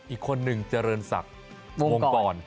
อีกคนนึงเจริญศักดิ์วงกร